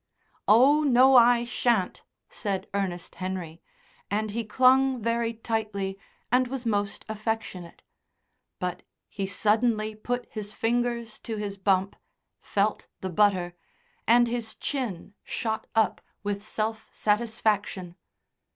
"Oh, no, I shan't," said Ernest Henry, and he clung very tightly and was most affectionate. But he suddenly put his fingers to his bump, felt the butter, and his chin shot up with self satisfaction.